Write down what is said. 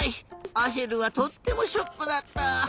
アシェルはとってもショックだった。